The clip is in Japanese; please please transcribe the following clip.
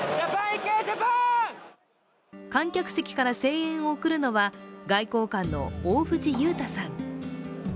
観客席から声援を送るのは、外交官の大藤勇太さん。